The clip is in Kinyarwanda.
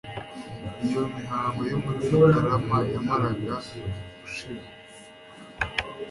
iyo mihango yo muri mutarama yamaraga gushira